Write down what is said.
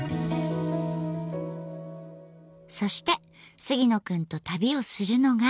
そして杉野くんと旅をするのが。